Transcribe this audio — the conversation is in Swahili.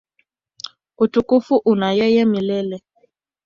Utukufu una yeye milele.